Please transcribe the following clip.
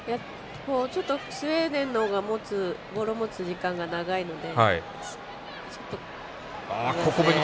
ちょっとスウェーデンのほうがボールを持つ時間が長いので。